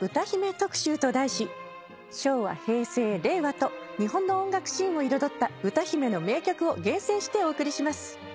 昭和平成令和と日本の音楽シーンを彩った歌姫の名曲を厳選してお送りします。